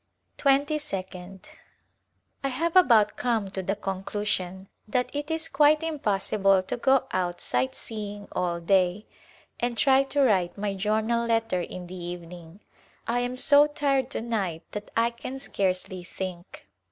Twenty second, I have about come to the conclusion that it is quite impossible to go out sightseeing all day and try to write my journal letter in the evening. I am so tired to night that I can scarcely think.